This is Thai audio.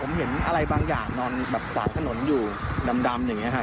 ผมเห็นอะไรบางอย่างนอนแบบขวางถนนอยู่ดำอย่างนี้ค่ะ